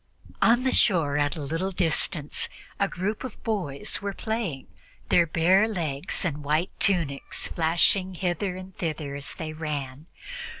On the shore, at a little distance, a group of boys were playing, their bare legs and white tunics flashing hither and thither as they ran.